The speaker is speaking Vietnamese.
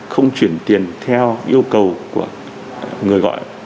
để chuyển tiền theo yêu cầu của người gọi